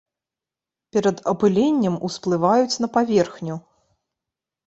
Перад апыленнем усплываюць на паверхню.